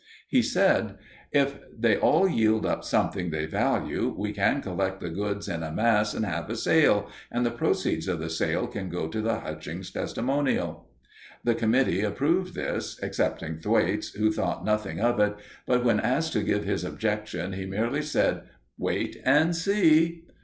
He said: "If they all yield up something they value, we can collect the goods in a mass and have a sale, and the proceeds of the sale can go to the Hutchings Testimonial." The committee approved of this, excepting Thwaites, who thought nothing of it; but when asked to give his objections, he merely said: "Wait and see."